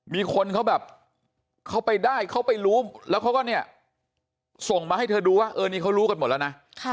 มีคนเขาแบบเขาไปได้เขาไปรู้แล้วเขาก็เนี่ยส่งมาให้เธอดูว่าเออนี่เขารู้กันหมดแล้วนะ